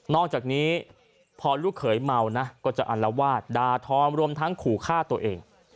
อกจากนี้พอลูกเขยเมานะก็จะอัลวาดดาทอมรวมทั้งขู่ฆ่าตัวเอง